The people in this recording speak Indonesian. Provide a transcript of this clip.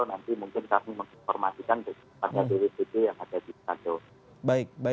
nanti mungkin kami informasikan kepada dwpt yang ada di sekadau